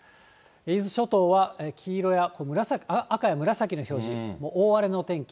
伊豆諸島は黄色や、赤や紫の表示、もう大荒れの天気。